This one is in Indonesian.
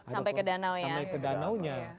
sampai ke danau ya